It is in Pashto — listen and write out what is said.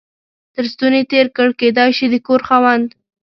تر ستوني تېر کړ، کېدای شي د کور خاوند.